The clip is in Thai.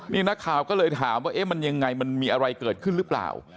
นี่นักข่าวก็เลยถามว่าเอ๊ะมันยังไงมันมีอะไรเกิดขึ้นหรือเปล่า